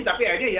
tapi akhirnya ya